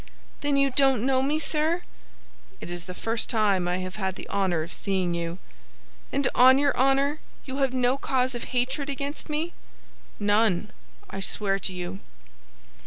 "Then you don't know me, sir?" "It is the first time I have had the honor of seeing you." "And on your honor, you have no cause of hatred against me?" "None, I swear to you."